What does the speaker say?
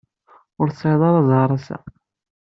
Ur tesɛiḍ ara ẓẓher assa.